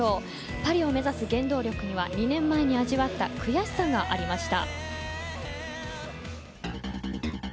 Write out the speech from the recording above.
パリを目指す原動力には２年前に味わった悔しさがありました。